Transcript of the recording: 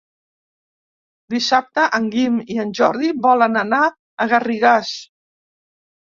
Dissabte en Guim i en Jordi volen anar a Garrigàs.